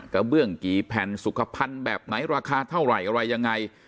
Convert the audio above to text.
เบื้องกี่แผ่นสุขภัณฑ์แบบไหนราคาเท่าไหร่อะไรยังไง